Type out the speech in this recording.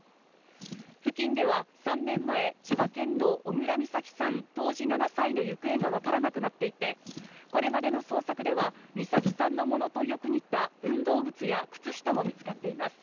付近では３年前、千葉県の小倉美咲さん、当時７歳の行方がわからなくなっていて、これまでの捜索では美咲さんのものとよく似た運動靴や靴下も見つかっています。